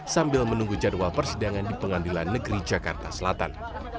sambil menunggu jadwal persidangan di pengadilan negeri jakarta selatan